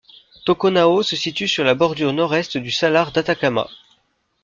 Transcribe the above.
Toconao se situe sur la bordure nord-est du salar d'Atacama.